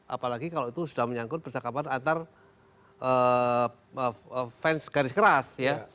apalagi kalau itu sudah menyangkut percakapan antar fans garis keras ya